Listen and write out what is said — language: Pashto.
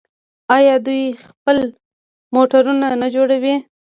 آیا دوی خپل موټرونه نه جوړوي؟